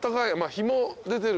日も出てるし。